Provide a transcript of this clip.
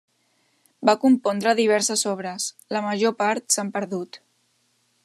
Va compondre diverses obres, la major part s'han perdut.